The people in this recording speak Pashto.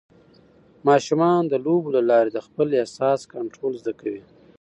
ماشومان د لوبو له لارې د خپل احساس کنټرول زده کوي.